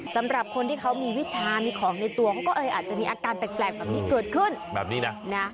สำหรับคนที่เขามีวิชามีของในตัวเขาก็อาจจะมีอาการแปลกเกิดขึ้น